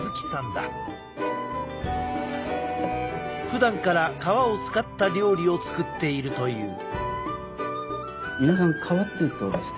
ふだんから皮を使った料理を作っているという。